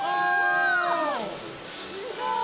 すごい！